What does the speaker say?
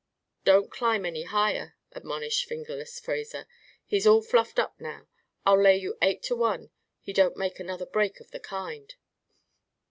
"Don't climb any higher," admonished "Fingerless" Fraser. "He's all fluffed up now. I'll lay you eight to one he don't make another break of the kind."